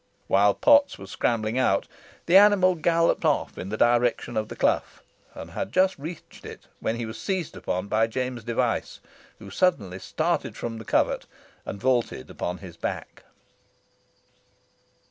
While Potts was scrambling out, the animal galloped off in the direction of the clough, and had just reached it when he was seized upon by James Device, who suddenly started from the covert, and vaulted upon his back.